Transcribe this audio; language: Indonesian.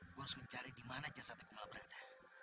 gua harus mencari dimana jasad kumala berada